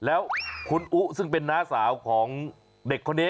แล้วคุณอุ๊ซึ่งเป็นน้าสาวของเด็กคนนี้